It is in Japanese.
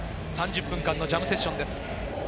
３０分間のジャムセッションです。